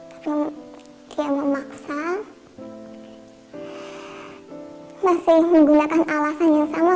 tapi dia memaksa masih menggunakan alasan yang sama